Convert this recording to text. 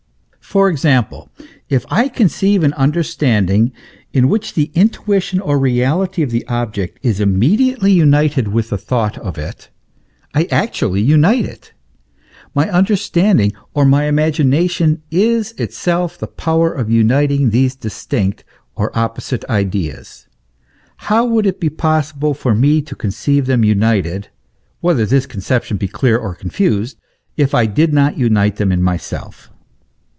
For example, if I conceive an under standing in which the intuition or reality of the object is immediately united with the thought of it, I actually unite it ; my understanding or my imagination is itself the power of uniting these distinct or opposite ideas. How would it be possible for me to conceive them united whether this con ception be clear or confused if I did not unite them in myself?